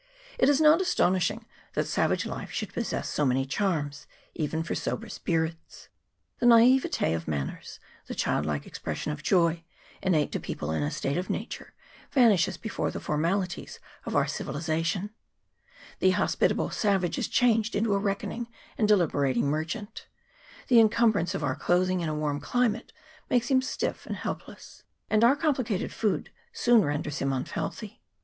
It is not astonishing that savage life should possess so many charms even for sober spirits. The naivete of manners, the childlike expression of joy, innate to people in a state of nature, vanishes before the formalities of our civilization : the hospitable savage is changed into a reckoning and deliberating mer chant ; the incumbrance of our clothing in a warm climate makes him stiff and helpless ; and our com plicated food soon renders him unhealthy.